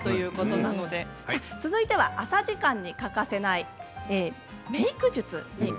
続いては朝時間に欠かせないメイク術。